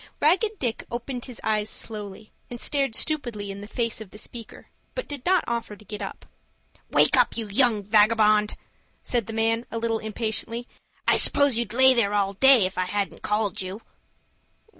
Ragged Dick opened his eyes slowly, and stared stupidly in the face of the speaker, but did not offer to get up. "Wake up, you young vagabond!" said the man a little impatiently; "I suppose you'd lay there all day, if I hadn't called you."